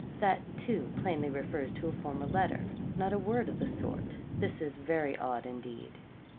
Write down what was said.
That, too, plainly refers to a former letter not a word of the sort. This is very odd indeed.'